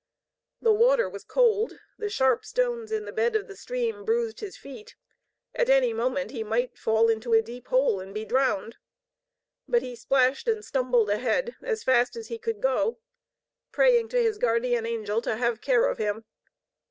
The water was cold, the sharp stones in the bed of the stream bruised his feet, at any moment he might fall into a deep hole and be drowned. But he splashed and stumbled ahead, as fast as he could go, praying to his guardian angel to have care of him.